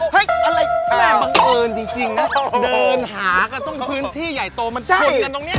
เห้ยอะไรบังเอิญจริงนะเดินหาพื้นที่ใหญ่โตมันทุนกันตรงนี้